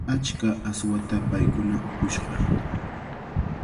Achka aswata paykuna upushqa.